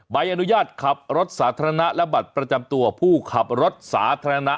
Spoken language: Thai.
ใบอนุญาตขับรถสาธารณะและบัตรประจำตัวผู้ขับรถสาธารณะ